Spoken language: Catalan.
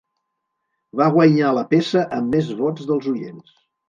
Va guanyar la peça amb més vots dels oients.